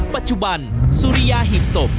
ปัจจุบันสุริยาหีบศพ